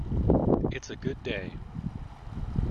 It's a good day.